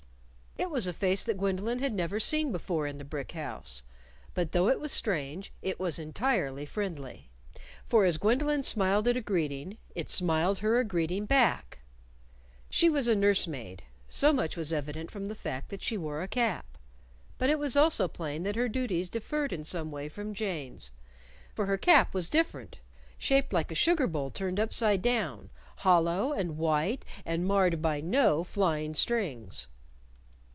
It was a face that Gwendolyn had never seen before in the brick house. But though it was strange, it was entirely friendly. For as Gwendolyn smiled it a greeting, it smiled her a greeting back! She was a nurse maid so much was evident from the fact that she wore a cap. But it was also plain that her duties differed in some way from Jane's. For her cap was different shaped like a sugar bowl turned upside down; hollow, and white, and marred by no flying strings.